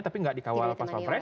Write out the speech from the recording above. tapi tidak dikawal paspampres